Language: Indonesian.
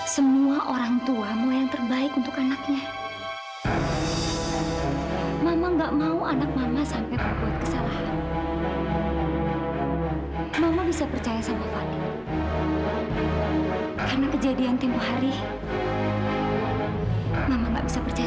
sampai jumpa di video selanjutnya